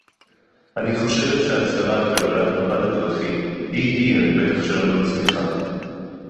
אני חושבת שההצהרה על קבלת מפת הדרכים היא היא הפתח שלנו לצמיחה